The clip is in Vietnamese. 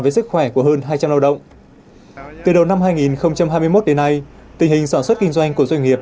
với sức khỏe của hơn hai trăm linh lao động từ đầu năm hai nghìn hai mươi một đến nay tình hình sản xuất kinh doanh của doanh nghiệp